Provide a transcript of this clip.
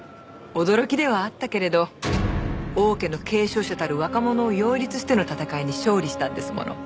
驚きではあったけれど王家の継承者たる若者を擁立しての戦いに勝利したんですもの。